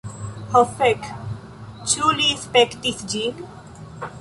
Ho fek, ĉu li spektis ĝin?